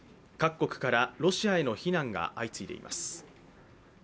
各国からロシアへの非難が相次いでいます。